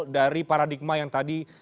dari paradigma yang tadi